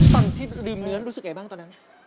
ฝั่งที่ลืมเนื้อรู้สึกไงบ้างตอนนั้น